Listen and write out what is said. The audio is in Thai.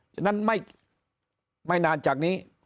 ฉะนั้นไม่นานจากนี้